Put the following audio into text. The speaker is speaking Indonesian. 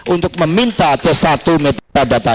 untuk meminta c satu metadata